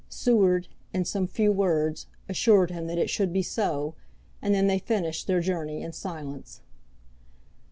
Seward, in some few words, assured him that it should be so, and then they finished their journey in silence.